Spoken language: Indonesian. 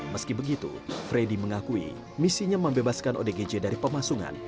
meski begitu freddy mengakui misinya membebaskan odgj dari pemasungan